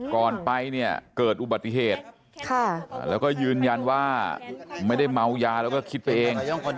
ก่อนไปเนี่ยเกิดอุบัติเหตุแล้วก็ยืนยันว่าไม่ได้เมายาแล้วก็คิดไปเอง